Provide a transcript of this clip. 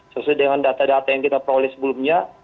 sesuai dengan data data yang kita peroleh sebelumnya